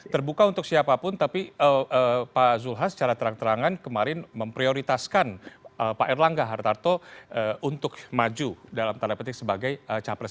terbuka untuk siapapun tapi pak zulhas secara terang terangan kemarin memprioritaskan pak erlangga hartarto untuk maju dalam tanda petik sebagai capres